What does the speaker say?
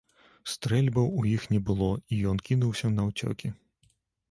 Стрэльбаў у іх не было, і ён кінуўся наўцёкі.